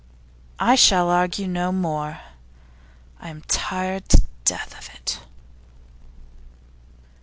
'I shall argue no more. I am tired to death of it.